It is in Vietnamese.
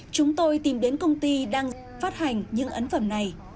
chúng tôi tìm đến công ty đang phát hành những ấn phẩm này